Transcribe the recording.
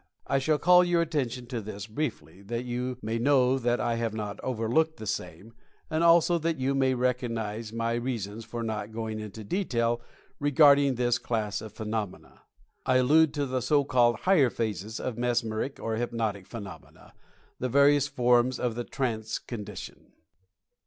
I shall call your attention to this briefly, that you may know that I have not overlooked the same, and also that you may recognize my reasons for not going into detail regarding this class of phenomena. I allude to the so called "higher phases" of mesmeric or hypnotic phenomena — the various forms of the "trance con dition."